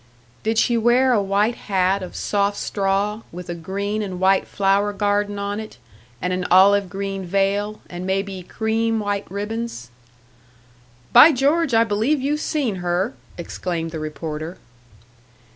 "Did she wear a white hat of soft straw, with a green and white flower garden on it, and an olive green veil, and maybe cream white ribbons?" "By George, I believe you've seen her!" exclaimed the reporter.